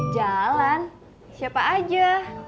jalan siapa aja